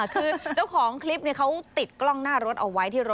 คือเจ้าของคลิปเขาติดกล้องหน้ารถเอาไว้ที่รถ